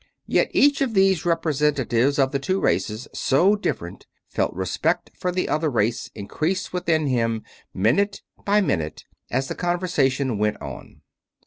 Yet each of these representatives of two races so different felt respect for the other race increase within him minute by minute as the conversation went on.